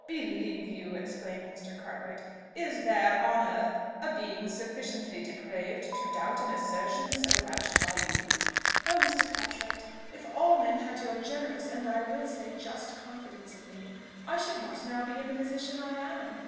"Believe you!" exclaimed Mr. Cartwright. "Is there on earth a being sufficiently depraved to doubt an assertion so vouched by you?" "Oh, Mr. Cartwright! if all men had your generous, and, I will say, just confidence in me, I should not now be in the position I am!